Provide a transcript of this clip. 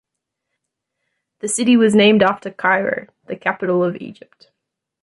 The city was named after Cairo, the capital of Egypt.